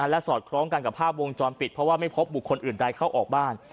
และสอดคล้องกันกับภาพวงจรปิดเพราะว่าไม่พบบุคคลอื่นใดเข้าออกบ้าน